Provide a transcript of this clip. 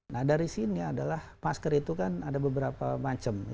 nah dari sini adalah masker itu kan ada beberapa macam